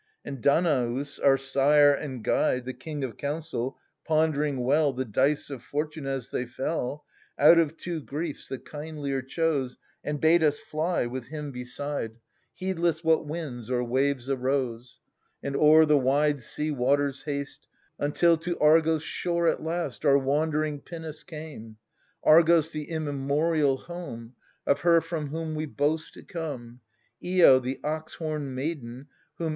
And Danaus, our sire and guide. The king of counsel, pond'ring well The dice of fortune as they fell, Out of two griefs the kindlier chose. And bade us fly, with him beside, '\ THE SUPPLIANT MAIDENS. Heedless what winds or waves arose, And o'er the wide sea waters haste, Until to Argos' shore at last Our wandering pinnace came — Argos, the immemorial home Of her from whom we boast to come — lo, the ox homed maiden, whom.